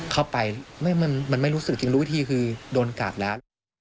เข้าไปมันไม่รู้สึกจริงรู้วิธีคือโดนกัดแล้ว